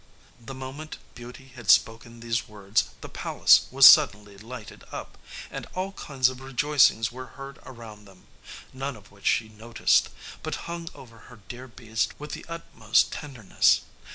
The moment Beauty had spoken these words the palace was suddenly lighted up, and all kinds of rejoicings were heard around them, none of which she noticed, but hung over her dear beast with the utmost tenderness.